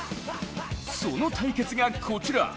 その対決が、こちら。